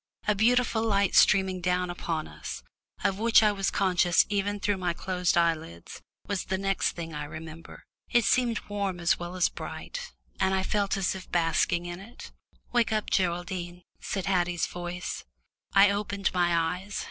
A beautiful light streaming down upon us, of which I was conscious even through my closed eyelids, was the next thing I remember. It seemed warm as well as bright, and I felt as if basking in it. "Wake up, Geraldine," said Haddie's voice. I opened my eyes.